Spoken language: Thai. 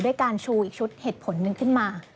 ด้วยการชูอีกชุดเหตุผลหนึ่งขึ้นมา